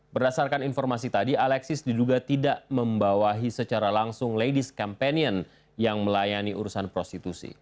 berdasarkan informasi tadi alexis diduga tidak membawahi secara langsung ladies campaian yang melayani urusan prostitusi